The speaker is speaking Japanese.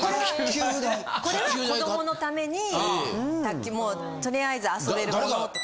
これは子どものためにとりあえず遊べるものとか。